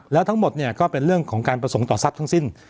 แล้วทั้งหมดเนี่ยก็เป็นเรื่องของการประสงค์ต่อทรัพย์ทั้งสิ้น